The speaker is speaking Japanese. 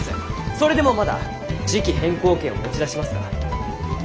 それでもまだ時季変更権を持ち出しますか？